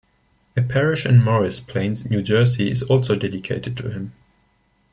A parish in Morris Plains, New Jersey, is also dedicated to him.